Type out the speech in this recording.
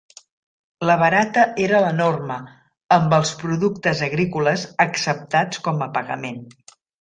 La barata era la norma, amb els productes agrícoles acceptats com a pagament.